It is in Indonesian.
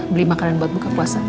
beli makanan buat buka puasa